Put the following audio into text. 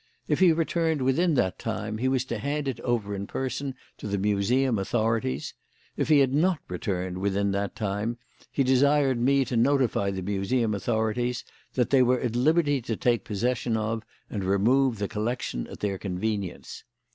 If he returned within that time he was to hand it over in person to the Museum authorities; if he had not returned within that time, he desired me to notify the Museum authorities that they were at liberty to take possession of and remove the collection at their convenience.